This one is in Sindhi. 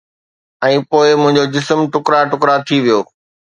۽ پوءِ منهنجو جسم ٽڪرا ٽڪرا ٿي ويو